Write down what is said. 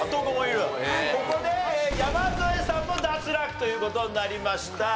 ここで山添さんも脱落という事になりました。